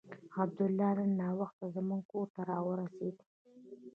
عبدالله نن ناوخته زموږ کور ته راورسېد.